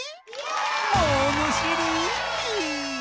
ものしり！